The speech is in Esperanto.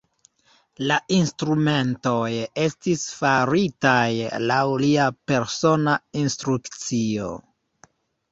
La instrumentoj estis faritaj laŭ lia persona instrukcio.